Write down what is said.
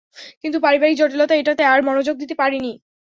কিন্তু পারিবারিক জটিলতায় এটাতে আর মনোযোগ দিতে পারিনি।